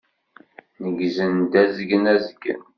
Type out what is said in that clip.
Neggzen-d azgen azgen.